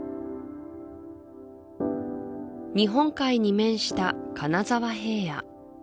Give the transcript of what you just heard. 日本海に面した金沢平野